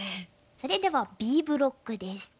それではＢブロックです。